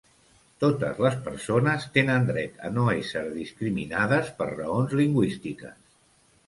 Totes les persones tenen dret a no ésser discriminades per raons lingüístiques.